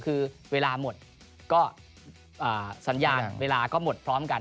คือเวลาหมดก็สัญญาณเวลาก็หมดพร้อมกัน